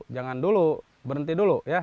jangan dulu berhenti dulu ya